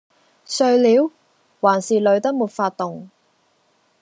睡了？還是累得沒法動？